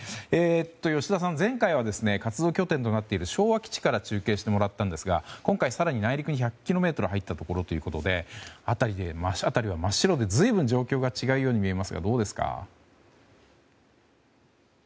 吉田さん、前回は活動拠点となっている昭和基地から中継してもらったんですが今回は更に内陸に１００ｋｍほど入ったところということで辺りは真っ白で随分状況が違うように見えますがどうですか。